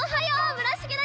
村重だよ！